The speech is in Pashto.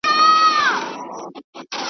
چي له مېړونو مېنه خالي سي .